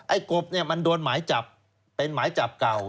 ไอ้กบมันโดนหมายจับเป็นหมายจับเก่า